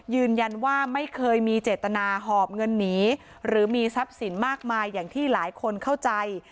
ยืนยันว่าไม่เคยมีเจตนาหอบเงินหนีหรือมีทรัพย์สินมากมายอย่างที่หลายคนเข้าใจ